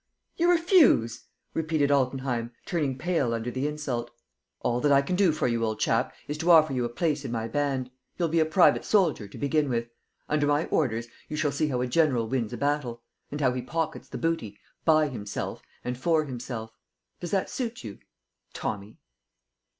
You refuse?" repeated Altenheim, turning pale under the insult. "All that I can do for you, old chap, is to offer you a place in my band. You'll be a private soldier, to begin with. Under my orders, you shall see how a general wins a battle ... and how he pockets the booty, by himself and for himself. Does that suit you ... Tommy?"